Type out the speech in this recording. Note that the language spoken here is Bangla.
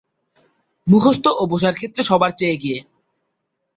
মুখস্থ ও বুঝার ক্ষেত্রে সবার চেয়ে এগিয়ে।